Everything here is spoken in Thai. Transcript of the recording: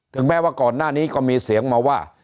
แม้ว่าก่อนหน้านี้ก็มีเสียงมาว่า